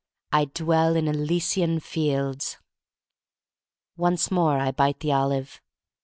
I dwell in Elysian fields." Once more I bite the olive.